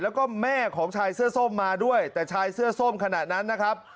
แล้วก็แม่ของชายเสื้อส้มมาด้วยแต่ชายเสื้อส้มขณะนั้นนะครับ